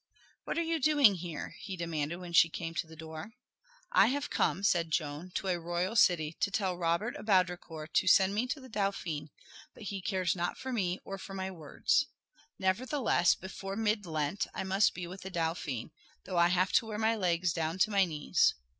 "What are you doing here?" he demanded when she came to the door. "I have come," said Joan, "to a royal city to tell Robert of Baudricourt to send me to the Dauphin, but he cares not for me or for my words. Nevertheless, before mid Lent, I must be with the Dauphin, though I have to wear my legs down to my knees.